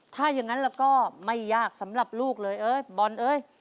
ถ้ายังงั้นแล้วก็ไม่ยากสำหรับลูกเลยบอล